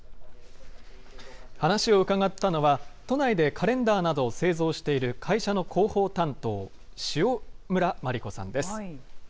話を伺ったのは、都内でカレンダーなどを製造している会社の広報担当、潮村麻里子さんです。